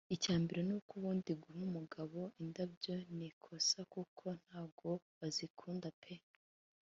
icy’ambere ni uko ubundi guha umugabo indabyo ni ikosa kuko ntago bazikunda pe